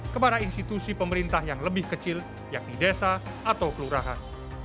kepada institusi pemerintah yang lebih kecil yakni desa atau kelurahan